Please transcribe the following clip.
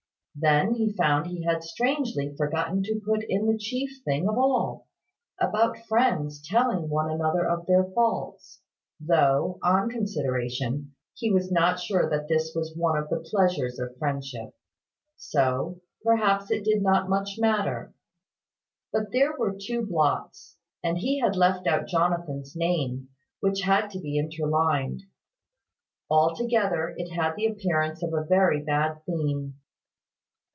Then he found he had strangely forgotten to put in the chief thing of all, about friends telling one another of their faults, though, on consideration, he was not sure that this was one of the Pleasures of Friendship: so, perhaps, it did not much matter. But there were two blots; and he had left out Jonathan's name, which had to be interlined. Altogether, it had the appearance of a very bad theme.